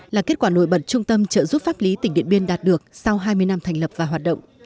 là kết quả nổi bật trung tâm trợ giúp pháp lý tỉnh điện biên đạt được sau hai mươi năm thành lập và hoạt động